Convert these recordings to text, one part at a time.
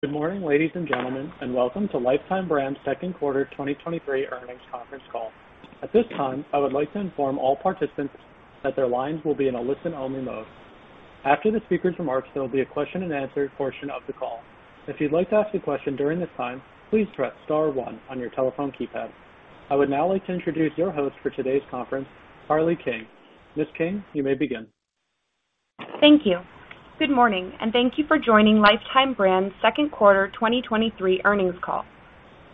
Good morning, ladies and gentlemen, welcome to Lifetime Brands Second Quarter 2023 Earnings Conference Call. At this time, I would like to inform all participants that their lines will be in a listen-only mode. After the speaker's remarks, there will be a question-and-answer portion of the call. If you'd like to ask a question during this time, please press star one on your telephone keypad. I would now like to introduce your host for today's conference, Carly King. Ms. King, you may begin. Thank you. Good morning, thank you for joining Lifetime Brands Second Quarter 2023 Earnings Call.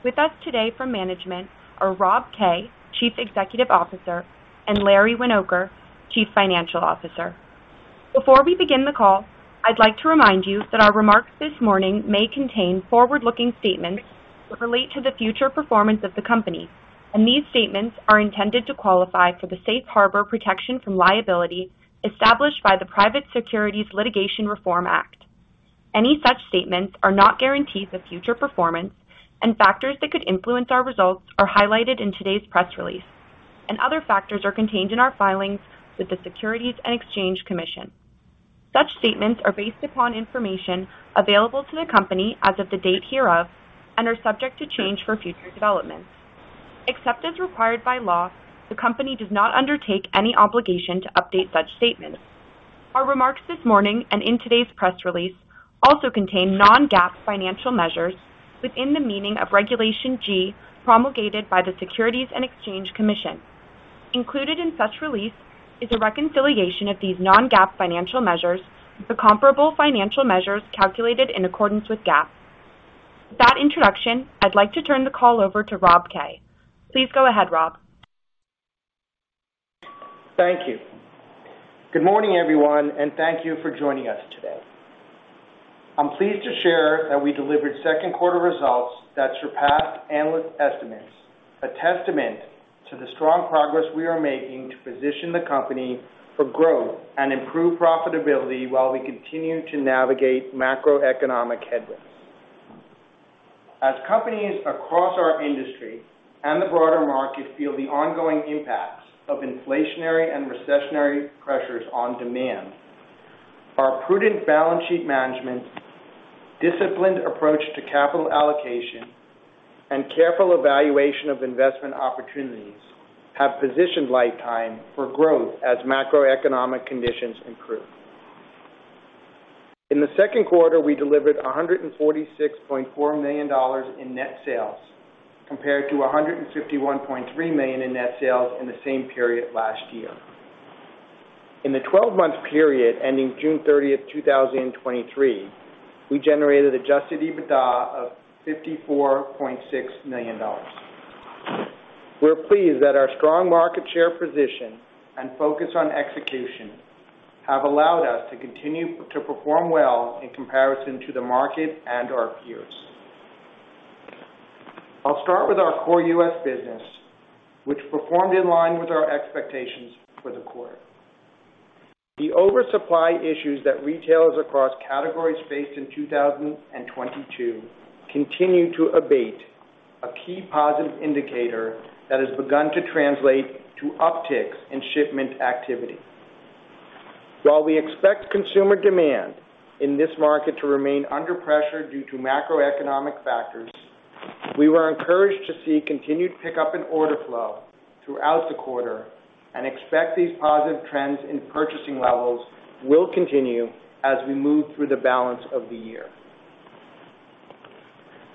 With us today from management are Rob Kay, Chief Executive Officer, and Larry Winoker, Chief Financial Officer. Before we begin the call, I'd like to remind you that our remarks this morning may contain forward-looking statements that relate to the future performance of the company, and these statements are intended to qualify for the safe harbor protection from liability established by the Private Securities Litigation Reform Act. Any such statements are not guarantees of future performance, and factors that could influence our results are highlighted in today's press release, and other factors are contained in our filings with the Securities and Exchange Commission. Such statements are based upon information available to the company as of the date hereof and are subject to change for future developments. Except as required by law, the company does not undertake any obligation to update such statements. Our remarks this morning and in today's press release also contain non-GAAP financial measures within the meaning of Regulation G, promulgated by the Securities and Exchange Commission. Included in such release is a reconciliation of these non-GAAP financial measures to comparable financial measures calculated in accordance with GAAP. With that introduction, I'd like to turn the call over to Rob Kay. Please go ahead, Rob. Thank you. Good morning, everyone, and thank you for joining us today. I'm pleased to share that we delivered second quarter results that surpassed analyst estimates, a testament to the strong progress we are making to position the company for growth and improve profitability while we continue to navigate macroeconomic headwinds. As companies across our industry and the broader market feel the ongoing impacts of inflationary and recessionary pressures on demand, our prudent balance sheet management, disciplined approach to capital allocation, and careful evaluation of investment opportunities have positioned Lifetime for growth as macroeconomic conditions improve. In the second quarter, we delivered $146.4 million in net sales, compared to $151.3 million in net sales in the same period last year. In the 12-month period ending June 30th, 2023, we generated adjusted EBITDA of $54.6 million. We're pleased that our strong market share position and focus on execution have allowed us to continue to perform well in comparison to the market and our peers. I'll start with our core U.S. business, which performed in line with our expectations for the quarter. The oversupply issues that retailers across categories faced in 2022 continue to abate, a key positive indicator that has begun to translate to upticks in shipment activity. While we expect consumer demand in this market to remain under pressure due to macroeconomic factors, we were encouraged to see continued pickup in order flow throughout the quarter and expect these positive trends in purchasing levels will continue as we move through the balance of the year.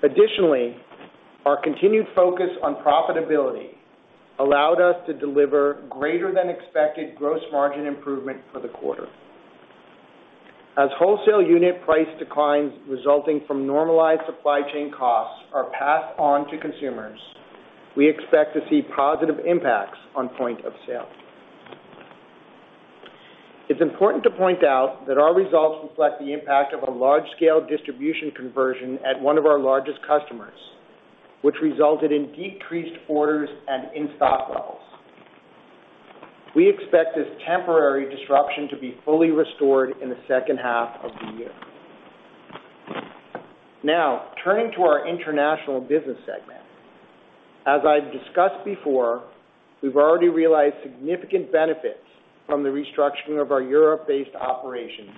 Additionally, our continued focus on profitability allowed us to deliver greater than expected gross margin improvement for the quarter. As wholesale unit price declines resulting from normalized supply chain costs are passed on to consumers, we expect to see positive impacts on point of sale. It's important to point out that our results reflect the impact of a large-scale distribution conversion at one of our largest customers, which resulted in decreased orders and in-stock levels. We expect this temporary disruption to be fully restored in the second half of the year. Turning to our international business segment. As I've discussed before, we've already realized significant benefits from the restructuring of our Europe-based operations,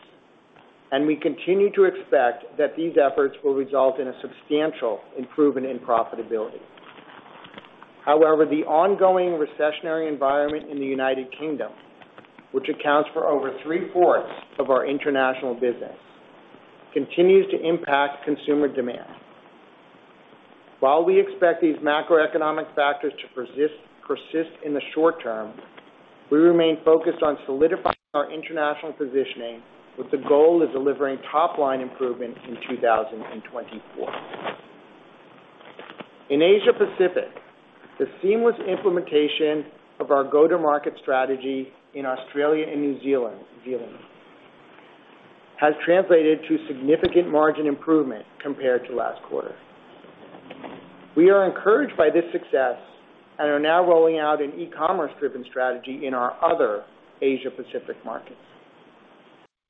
and we continue to expect that these efforts will result in a substantial improvement in profitability. However, the ongoing recessionary environment in the United Kingdom, which accounts for over 3/4 of our international business, continues to impact consumer demand. While we expect these macroeconomic factors to persist, persist in the short term, we remain focused on solidifying our international positioning, with the goal of delivering top-line improvement in 2024. In Asia Pacific, the seamless implementation of our go-to-market strategy in Australia and New Zealand, Zealand has translated to significant margin improvement compared to last quarter. We are encouraged by this success and are now rolling out an e-commerce-driven strategy in our other Asia Pacific markets.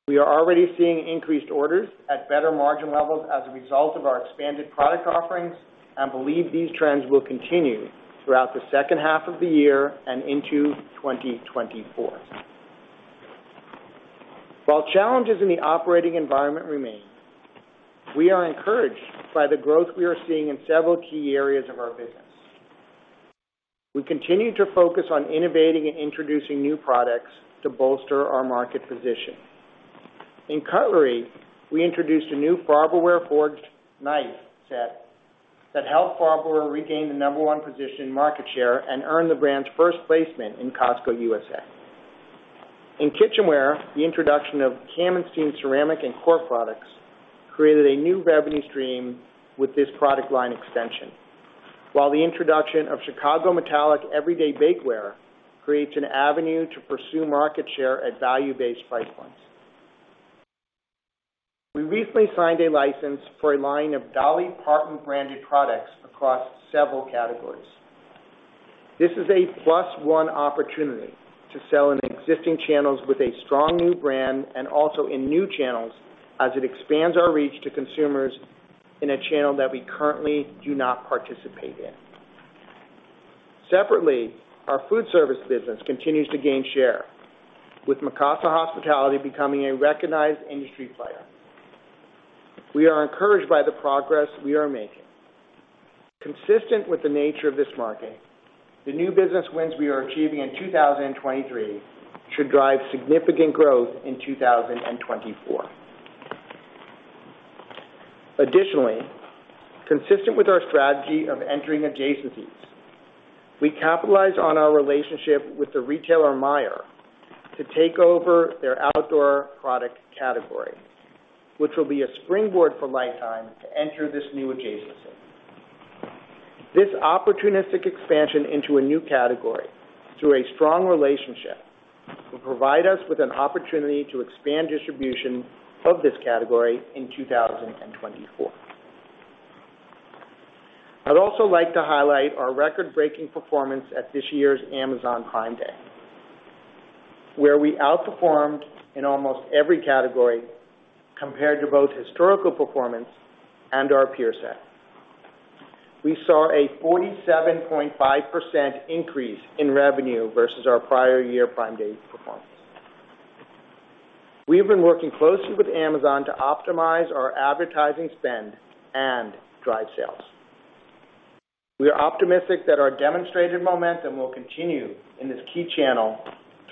We are already seeing increased orders at better margin levels as a result of our expanded product offerings and believe these trends will continue throughout the second half of the year and into 2024. While challenges in the operating environment remain, we are encouraged by the growth we are seeing in several key areas of our business. We continue to focus on innovating and introducing new products to bolster our market position. In cutlery, we introduced a new Farberware forged knife set that helped Farberware regain the number one position in market share and earn the brand's first placement in Costco USA. In kitchenware, the introduction of Kamenstein Ceramic and core products created a new revenue stream with this product line extension, while the introduction of Chicago Metallic Everyday Bakeware creates an avenue to pursue market share at value-based price points. We recently signed a license for a line of Dolly Parton-branded products across several categories. This is a plus one opportunity to sell in existing channels with a strong new brand and also in new channels as it expands our reach to consumers in a channel that we currently do not participate in. Separately, our food service business continues to gain share, with Mikasa Hospitality becoming a recognized industry player. We are encouraged by the progress we are making. Consistent with the nature of this market, the new business wins we are achieving in 2023 should drive significant growth in 2024. Additionally, consistent with our strategy of entering adjacencies, we capitalize on our relationship with the retailer, Meijer, to take over their outdoor product category, which will be a springboard for Lifetime to enter this new adjacency. This opportunistic expansion into a new category through a strong relationship, will provide us with an opportunity to expand distribution of this category in 2024. I'd also like to highlight our record-breaking performance at this year's Amazon Prime Day, where we outperformed in almost every category compared to both historical performance and our peer set. We saw a 47.5% increase in revenue versus our prior year Prime Day performance. We have been working closely with Amazon to optimize our advertising spend and drive sales. We are optimistic that our demonstrated momentum will continue in this key channel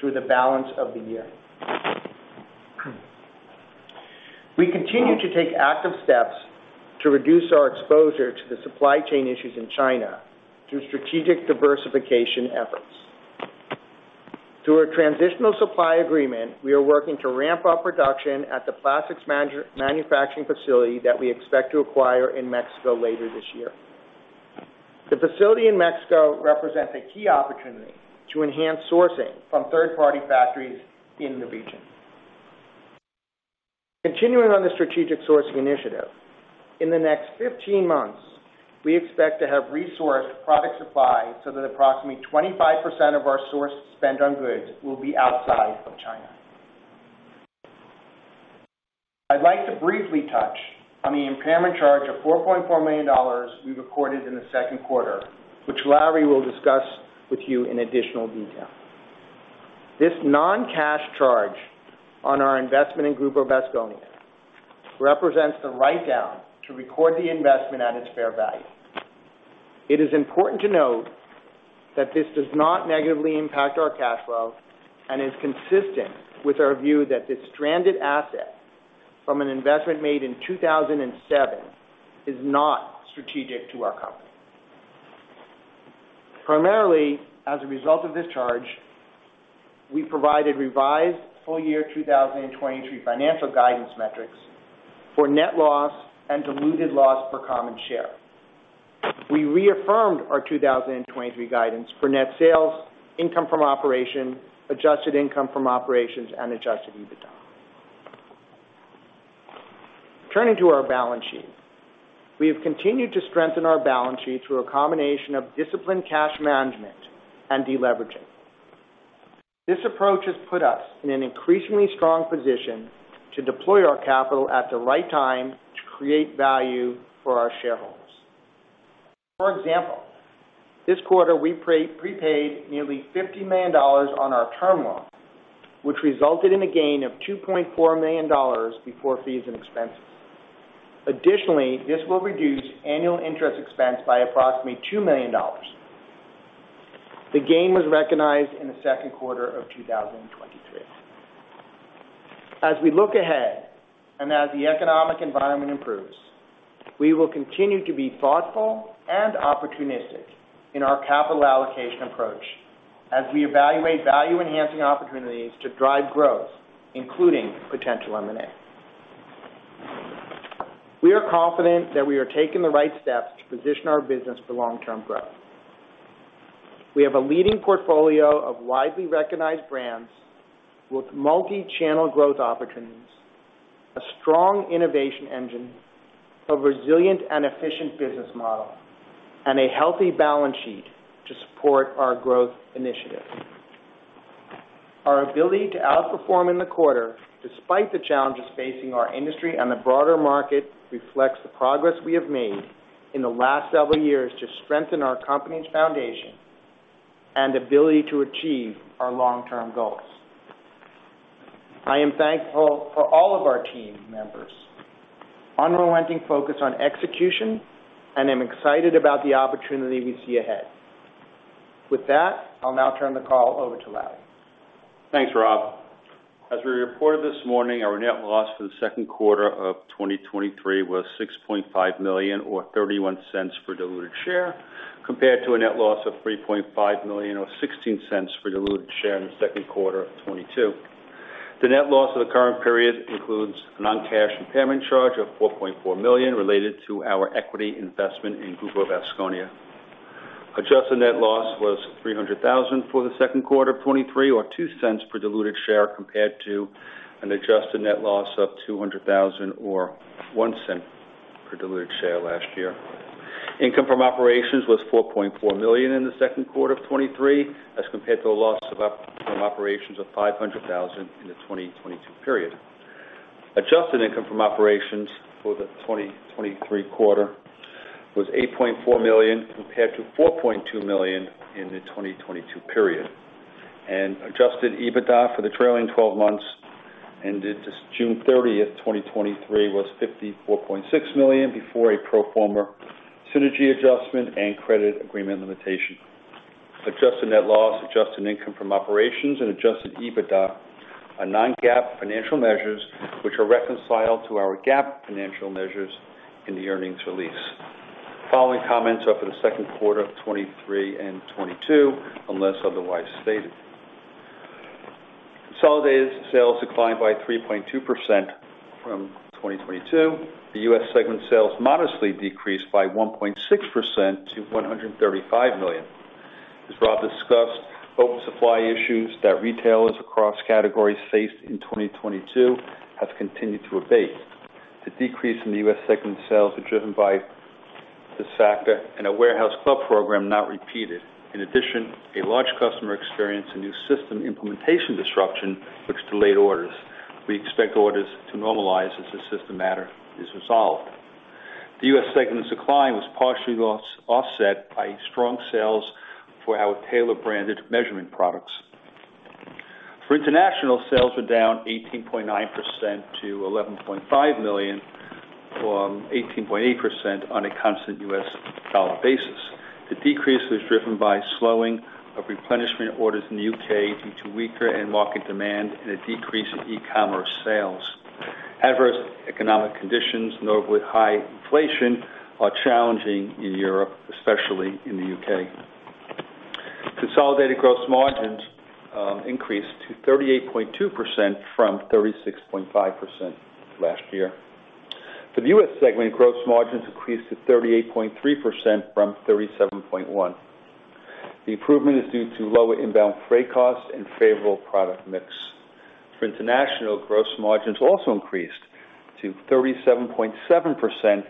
through the balance of the year. We continue to take active steps to reduce our exposure to the supply chain issues in China through strategic diversification efforts. Through a transitional supply agreement, we are working to ramp up production at the plastics manufacturing facility that we expect to acquire in Mexico later this year. The facility in Mexico represents a key opportunity to enhance sourcing from third-party factories in the region. Continuing on the strategic sourcing initiative, in the next 15 months, we expect to have resourced product supply so that approximately 25% of our source spend on goods will be outside of China. I'd like to briefly touch on the impairment charge of $4.4 million we recorded in the second quarter, which Larry will discuss with you in additional detail. This non-cash charge on our investment in Grupo Vasconia represents the write-down to record the investment at its fair value. It is important to note that this does not negatively impact our cash flow and is consistent with our view that this stranded asset from an investment made in 2007 is not strategic to our company. Primarily, as a result of this charge, we provided revised full year 2023 financial guidance metrics for net loss and diluted loss per common share. We reaffirmed our 2023 guidance for net sales, income from operation, adjusted income from operations, and adjusted EBITDA. Turning to our balance sheet. We have continued to strengthen our balance sheet through a combination of disciplined cash management and deleveraging. This approach has put us in an increasingly strong position to deploy our capital at the right time to create value for our shareholders. For example, this quarter, we prepaid nearly $50 million on our term loan, which resulted in a gain of $2.4 million before fees and expenses. Additionally, this will reduce annual interest expense by approximately $2 million. The gain was recognized in the second quarter of 2023. As we look ahead and as the economic environment improves, we will continue to be thoughtful and opportunistic in our capital allocation approach as we evaluate value-enhancing opportunities to drive growth, including potential M&A. We are confident that we are taking the right steps to position our business for long-term growth. We have a leading portfolio of widely recognized brands with multi-channel growth opportunities, a strong innovation engine, a resilient and efficient business model, and a healthy balance sheet to support our growth initiatives. Our ability to outperform in the quarter, despite the challenges facing our industry and the broader market, reflects the progress we have made in the last several years to strengthen our company's foundation and ability to achieve our long-term goals. I am thankful for all of our team members' unrelenting focus on execution, and I'm excited about the opportunity we see ahead. With that, I'll now turn the call over to Larry. Thanks, Rob. As we reported this morning, our net loss for the second quarter of 2023 was $6.5 million, or $0.31 per diluted share, compared to a net loss of $3.5 million, or $0.16 per diluted share in the second quarter of 2022. The net loss of the current period includes a non-cash impairment charge of $4.4 million related to our equity investment in Grupo Vasconia. Adjusted net loss was $300,000 for the second quarter of 2023, or $0.02 per diluted share, compared to an adjusted net loss of $200,000 or $0.01 per diluted share last year. Income from operations was $4.4 million in the second quarter of 2023, as compared to a loss from operations of $500,000 in the 2022 period. Adjusted income from operations for the 2023 quarter was $8.4 million, compared to $4.2 million in the 2022 period. Adjusted EBITDA for the trailing 12 months ended June 30thth, 2023, was $54.6 million, before a pro forma synergy adjustment and credit agreement limitation. Adjusted net loss, adjusted income from operations, and adjusted EBITDA are non-GAAP financial measures, which are reconciled to our GAAP financial measures in the earnings release. The following comments are for the second quarter of 2023 and 2022, unless otherwise stated. Consolidated sales declined by 3.2% from 2022. The U.S. segment sales modestly decreased by 1.6% to $135 million. As Rob discussed, both supply issues that retailers across categories faced in 2022 have continued to abate. The decrease in the U.S. segment sales were driven by the Sakura and a warehouse club program not repeated. In addition, a large customer experienced a new system implementation disruption, which delayed orders. We expect orders to normalize as the system matter is resolved. The U.S. segment's decline was partially loss- offset by strong sales for our Taylor-branded measurement products. For international, sales were down 18.9% to $11.5 million, from 18.8% on a constant U.S. dollar basis. The decrease was driven by slowing of replenishment orders in the U.K. due to weaker end market demand and a decrease in e-commerce sales. Adverse economic conditions, notably high inflation, are challenging in Europe, especially in the U.K. Consolidated gross margins increased to 38.2% from 36.5% last year. For the U.S. segment, gross margins increased to 38.3% from 37.1%. The improvement is due to lower inbound freight costs and favorable product mix. For international, gross margins also increased to 37.7%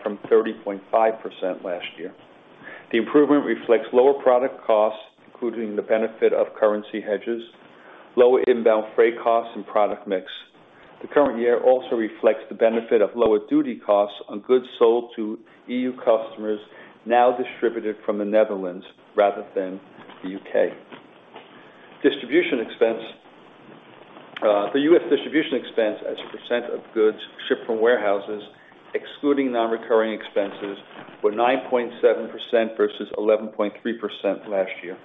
from 30.5% last year. The improvement reflects lower product costs, including the benefit of currency hedges, lower inbound freight costs, and product mix. The current year also reflects the benefit of lower duty costs on goods sold to EU customers, now distributed from the Netherlands rather than the U.K. Distribution expense. The U.S. distribution expense as a % of goods shipped from warehouses, excluding non-recurring expenses, were 9.7% versus 11.3% last year.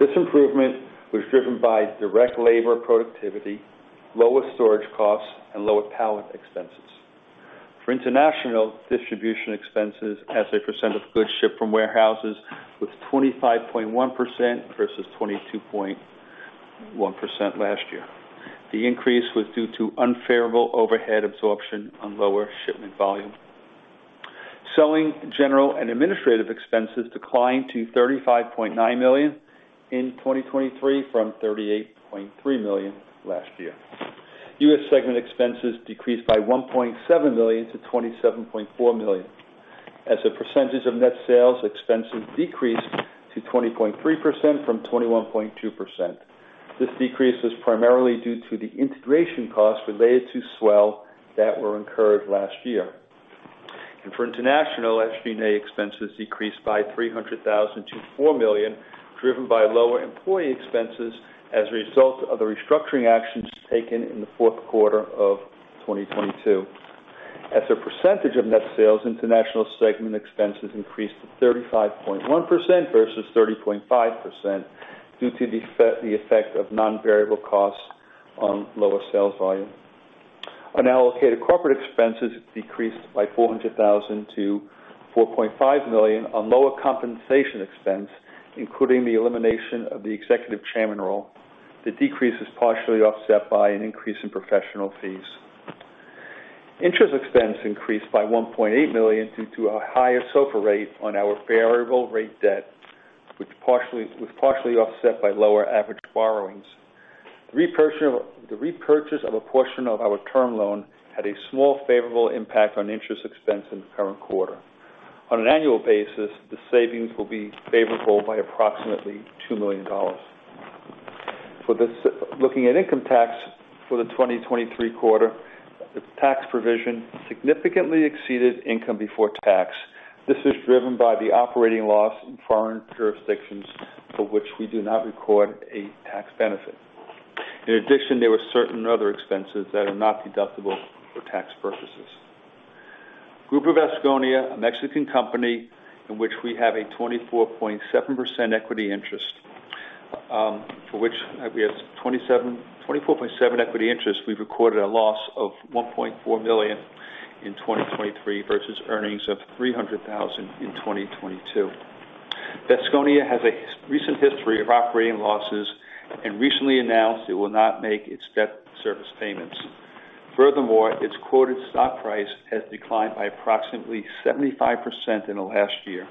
This improvement was driven by direct labor productivity, lower storage costs, and lower pallet expenses. International, distribution expenses as a percent of goods shipped from warehouses was 25.1% versus 22.1% last year. The increase was due to unfavorable overhead absorption on lower shipment volume. Selling, general, and administrative expenses declined to $35.9 million in 2023 from $38.3 million last year. U.S. segment expenses decreased by $1.7 million to $27.4 million. As a percentage of net sales, expenses decreased to 20.3% from 21.2%. This decrease is primarily due to the integration costs related to S'well that were incurred last year. International, SG&A expenses decreased by $300,000 to $4 million, driven by lower employee expenses as a result of the restructuring actions taken in the fourth quarter of 2022. As a percentage of net sales, international segment expenses increased to 35.1% versus 30.5%, due to the effect of non-variable costs on lower sales volume. Unallocated corporate expenses decreased by $400,000-$4.5 million on lower compensation expense, including the elimination of the executive chairman role. The decrease is partially offset by an increase in professional fees. Interest expense increased by $1.8 million due to a higher SOFR rate on our variable rate debt, which was partially offset by lower average borrowings. The repurchase of a portion of our term loan had a small favorable impact on interest expense in the current quarter. On an annual basis, the savings will be favorable by approximately $2 million. for this, looking at income tax for the 2023 quarter, the tax provision significantly exceeded income before tax. This is driven by the operating loss in foreign jurisdictions for which we do not record a tax benefit. In addition, there were certain other expenses that are not deductible for tax purposes. Grupo Vasconia, a Mexican company in which we have a 24.7% equity interest, for which we have 24.7% equity interest, we've recorded a loss of $1.4 million in 2023 versus earnings of $300,000 in 2022. Vasconia has a recent history of operating losses and recently announced it will not make its debt service payments. Furthermore, its quoted stock price has declined by approximately 75% in the last year.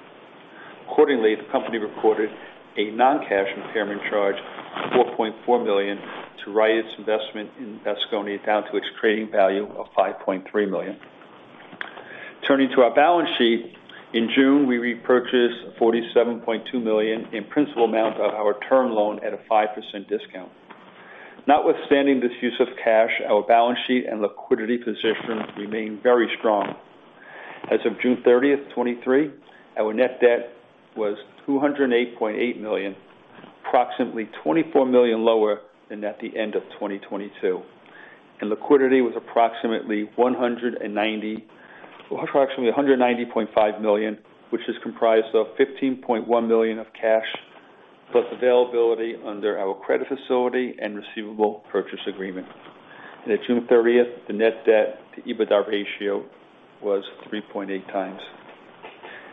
Accordingly, the company reported a non-cash impairment charge of $4.4 million to write its investment in Vasconia down to its creating value of $5.3 million. Turning to our balance sheet, in June, we repurchased $47.2 million in principal amount of our term loan at a 5% discount. Notwithstanding this use of cash, our balance sheet and liquidity position remain very strong. As of June 30th, 2023, our net debt was $208.8 million, approximately $24 million lower than at the end of 2022, and liquidity was approximately $190.5 million, which is comprised of $15.1 million of cash, plus availability under our credit facility and receivable purchase agreement. At June 30th, the net debt to EBITDA ratio was 3.8x.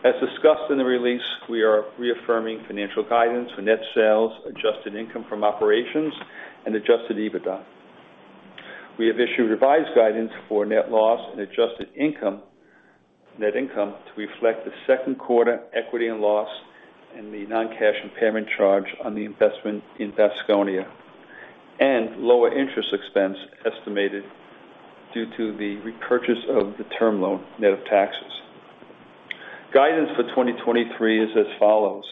As discussed in the release, we are reaffirming financial guidance for net sales, adjusted income from operations, and adjusted EBITDA. We have issued revised guidance for net loss and adjusted income, net income, to reflect the second quarter equity and loss in the non-cash impairment charge on the investment in Vasconia, and lower interest expense estimated due to the repurchase of the term loan net of taxes. Guidance for 2023 is as follows: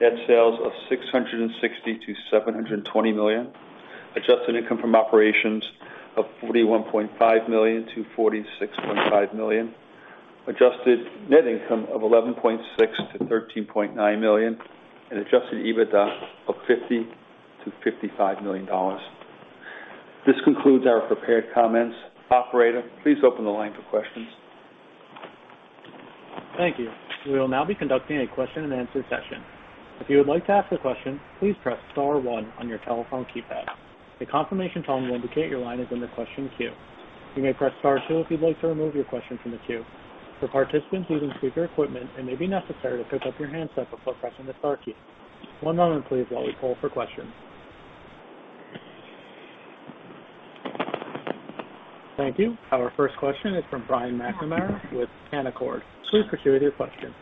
Net sales of $660 million-$720 million, adjusted income from operations of $41.5 million-$46.5 million, adjusted net income of $11.6 million-$13.9 million, and adjusted EBITDA of $50 million-$55 million. This concludes our prepared comments. Operator, please open the line for questions. Thank you. We will now be conducting a question-and-answer session. If you would like to ask a question, please press star one on your telephone keypad. A confirmation tone will indicate your line is in the question queue. You may press star two if you'd like to remove your question from the queue. For participants using speaker equipment, it may be necessary to pick up your handset before pressing the star key. One moment, please, while we poll for questions. Thank you. Our first question is from Brian McNamara with Canaccord. Please proceed with your question.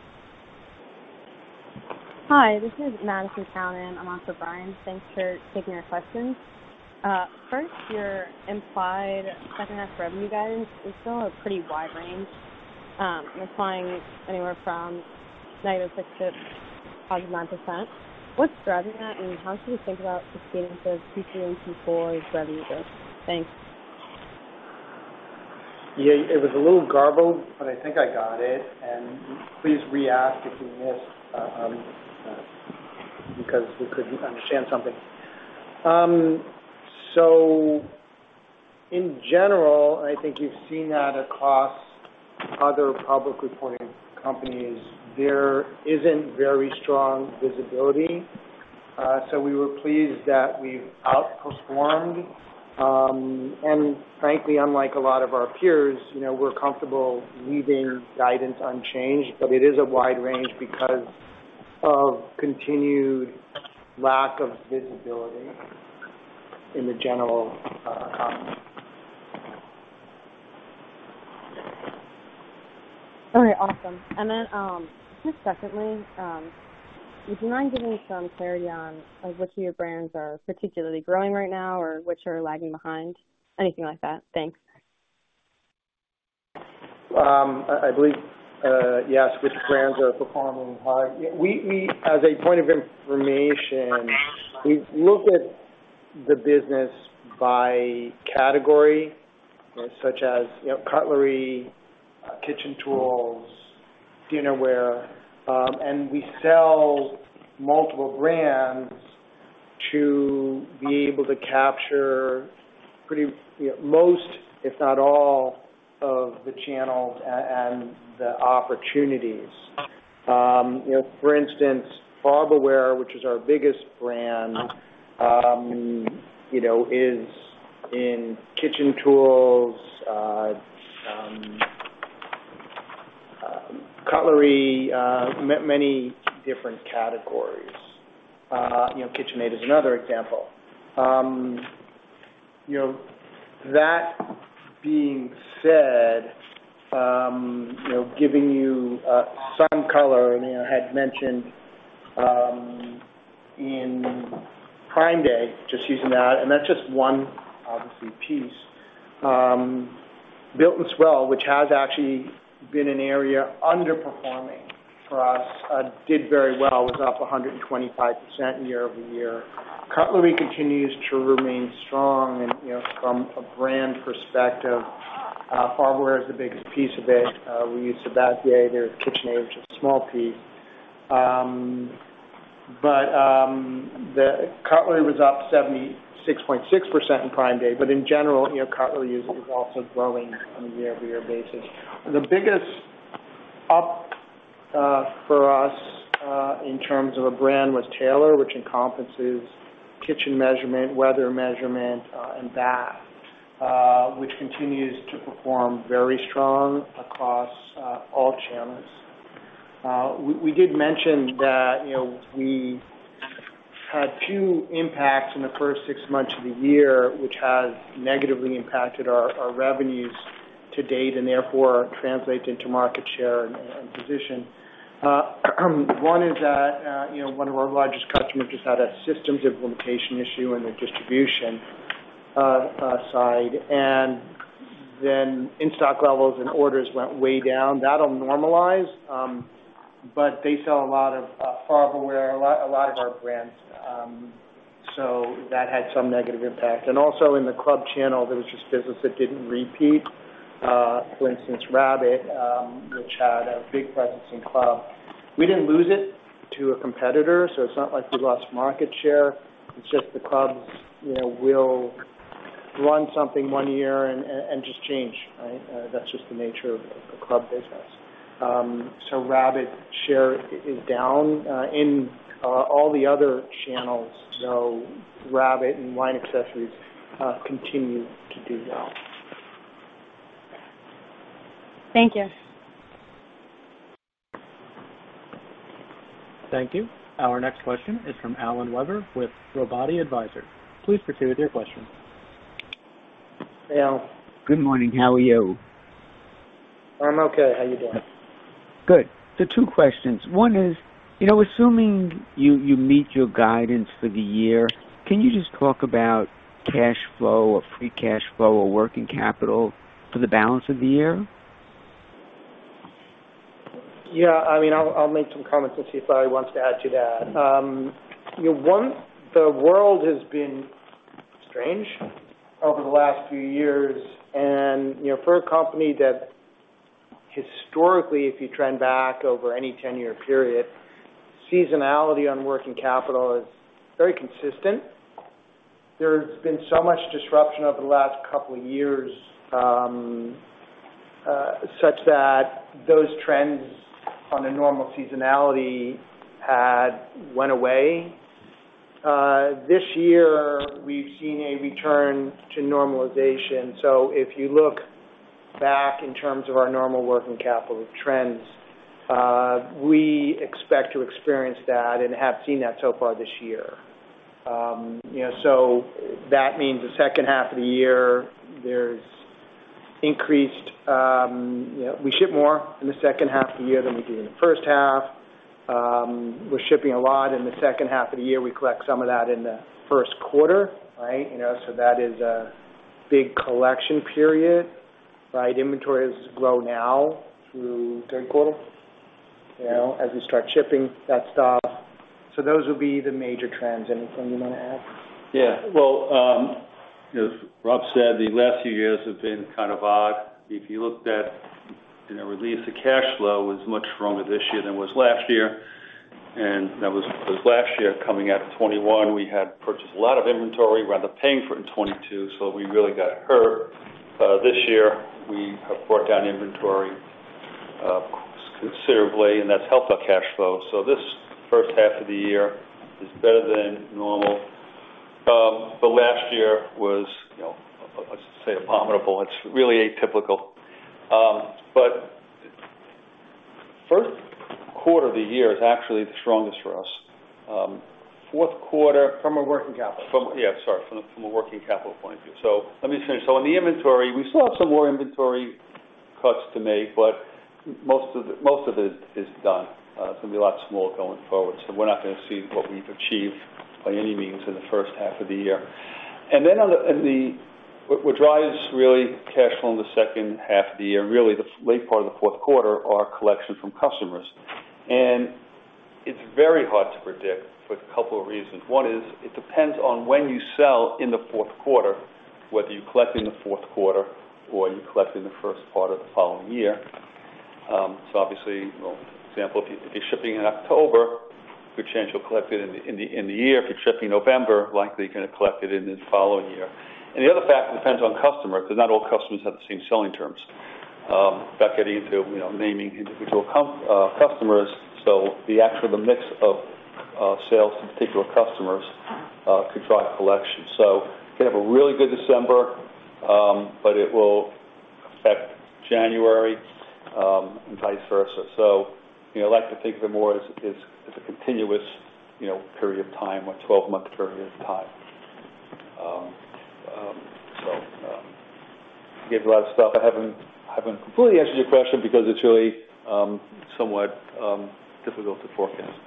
Hi, this is Madison Callinan in on for Brian. Thanks for taking our questions. First, your implied second half revenue guidance is still a pretty wide range, implying anywhere from -6% to +9%. What's driving that, and how should we think about the cadence of Q3 and Q4 revenue growth? Thanks. Yeah, it was a little garbled, but I think I got it, and please re-ask if we missed because we couldn't understand something. In general, I think you've seen that across other public reporting companies, there isn't very strong visibility. We were pleased that we've outperformed. Frankly, unlike a lot of our peers, you know, we're comfortable leaving guidance unchanged, but it is a wide range because of continued lack of visibility in the general economy. All right. Awesome. Just secondly, would you mind giving me some clarity on, on which of your brands are particularly growing right now or which are lagging behind? Anything like that. Thanks. I, I believe, you asked which brands are performing high. We, we, as a point of information, we look at the business by category, such as, you know, cutlery, kitchen tools, dinnerware, and we sell multiple brands to be able to capture pretty, you know, most, if not all, of the channels and the opportunities. You know, for instance, Farberware, which is our biggest brand, you know, is in kitchen tools, cutlery, many different categories. You know, KitchenAid is another example. You know, that being said, you know, giving you, some color, I mean, I had mentioned, in Prime Day, just using that, and that's just one, obviously, piece, Built as well, which has actually been an area underperforming for us, did very well, was up 125% year-over-year. Cutlery continues to remain strong and, you know, from a brand perspective, Farberware is the biggest piece of it. We use Sabatier, their KitchenAid, which is a small piece. The cutlery was up 76.6% in Prime Day, but in general, you know, cutlery is, is also growing on a year-over-year basis. The biggest up for us, in terms of a brand was Taylor, which encompasses kitchen measurement, weather measurement, and bath, which continues to perform very strong across all channels. We, we did mention that, you know, we had two impacts in the first six months of the year, which has negatively impacted our, our revenues to date, and therefore translate into market share and, and position. One is that, you know, one of our largest customers just had a systems implementation issue on the distribution side, and then in-stock levels and orders went way down. That'll normalize, but they sell a lot of Farberware, a lot, a lot of our brands, so that had some negative impact. Also in the club channel, there was just business that didn't repeat. For instance, Rabbit, which had a big presence in club. We didn't lose it to a competitor, so it's not like we lost market share. It's just the clubs, you know, will run something one year and, and, just change, right? That's just the nature of, of the club business. Rabbit share is down in all the other channels, so Rabbit and wine accessories continue to do well. Thank you. Thank you. Our next question is from Alan Weber with Robotti Advisors. Please proceed with your question. Hey, Al. Good morning, how are you? I'm okay. How are you doing? Good. Two questions. One is, you know, assuming you, you meet your guidance for the year, can you just talk about cash flow or free cash flow or working capital for the balance of the year? Yeah, I mean, I'll, I'll make some comments and see if Bobby wants to add to that. You know, one, the world has been strange over the last few years and, you know, for a company that historically, if you trend back over any 10-year period, seasonality on working capital is very consistent. There's been so much disruption over the last 2 years, such that those trends on a normal seasonality had went away. This year, we've seen a return to normalization, so if you look back in terms of our normal working capital trends, we expect to experience that and have seen that so far this year. You know, so that means the second half of the year, there's increased, you know, we ship more in the second half of the year than we do in the first half. We're shipping a lot in the second half of the year. We collect some of that in the first quarter, right? You know, that is a big collection period, right? Inventories grow now through third quarter, you know, as we start shipping that stuff. Those will be the major trends. Anything you wanna add? Yeah. Well, as Rob said, the last few years have been kind of odd. If you looked at, you know, release, the cash flow was much stronger this year than it was last year, and that was, was last year, coming out of 2021, we had purchased a lot of inventory, wound up paying for it in 2022, so we really got hurt. This year, we have brought down inventory, considerably, and that's helped our cash flow. This first half of the year is better than normal. Last year was, you know, let's just say abominable. It's really atypical. First quarter of the year is actually the strongest for us. Fourth quarter- From a working capital. From, sorry, from a working capital point of view. Let me finish. In the inventory, we still have some more inventory cuts to make, but most of it, most of it is done. It's gonna be a lot smaller going forward, so we're not gonna see what we've achieved by any means in the first half of the year. Then on the, what, what drives really cash flow in the second half of the year, really the late part of the fourth quarter, are collections from customers. It's very hard to predict for a couple of reasons. One is, it depends on when you sell in the fourth quarter, whether you collect in the fourth quarter or you collect in the first part of the following year. So obviously, well, example, if you, if you're shipping in October, good chance you'll collect it in the, in the, in the year. If you're shipping November, likely you're gonna collect it in the following year. The other factor depends on customer, because not all customers have the same selling terms. Without getting into, you know, naming individual customers, so the actual, the mix of, sales to particular customers, could drive collection. You have a really good December, but it will affect January, and vice versa. You know, I like to think of it more as, as, as a continuous, you know, period of time or twelve-month period of time. Gave a lot of stuff. I haven't, haven't completely answered your question because it's really, somewhat, difficult to forecast.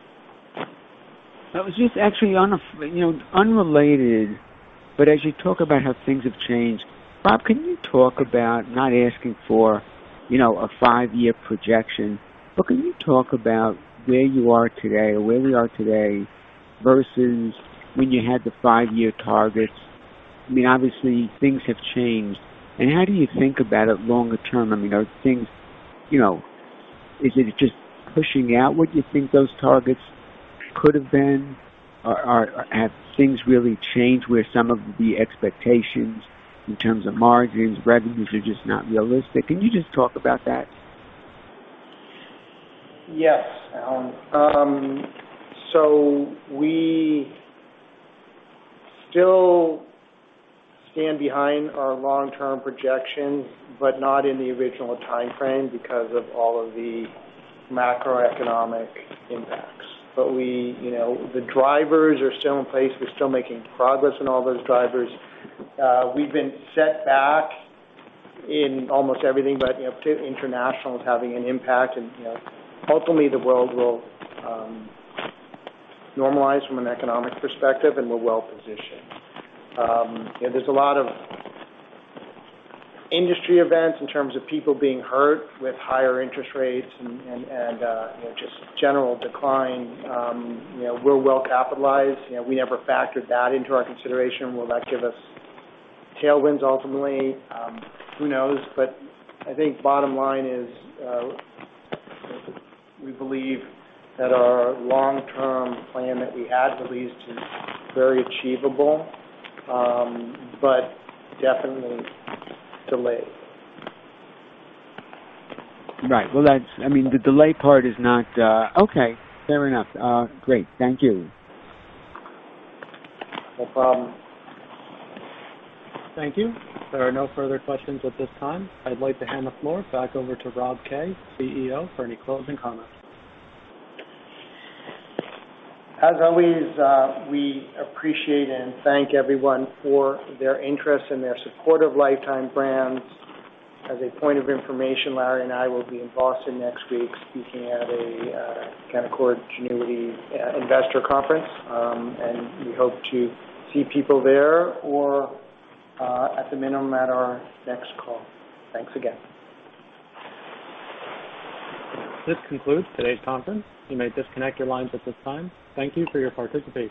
I was just actually on a, you know, unrelated, but as you talk about how things have changed, Bob, can you talk about not asking for, you know, a 5-year projection? Can you talk about where you are today or where we are today versus when you had the 5-year targets? I mean, obviously things have changed. How do you think about it longer term? I mean, are things, you know, is it just pushing out what you think those targets could have been? Or, have things really changed where some of the expectations in terms of margins, revenues are just not realistic? Can you just talk about that? Yes, Alan. We still stand behind our long-term projections, but not in the original time frame because of all of the macroeconomic impacts. We, you know, the drivers are still in place. We're still making progress on all those drivers. We've been set back in almost everything, but, you know, international is having an impact. You know, ultimately the world will normalize from an economic perspective, and we're well-positioned. There's a lot of industry events in terms of people being hurt with higher interest rates and, and, and, you know, just general decline. You know, we're well capitalized. You know, we never factored that into our consideration. Will that give us tailwinds ultimately? Who knows? I think bottom line is, we believe that our long-term plan that we had at least is very achievable, but definitely delayed. Right. Well, that's, I mean, the delay part is not, Okay, fair enough. Great. Thank you. No problem. Thank you. There are no further questions at this time. I'd like to hand the floor back over to Rob Kay, CEO, for any closing comments. As always, we appreciate and thank everyone for their interest and their support of Lifetime Brands. As a point of information, Larry and I will be in Boston next week speaking at a Canaccord Genuity Investor Conference. We hope to see people there or, at the minimum, at our next call. Thanks again. This concludes today's conference. You may disconnect your lines at this time. Thank you for your participation.